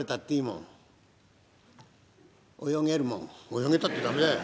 「泳げたって駄目だよ！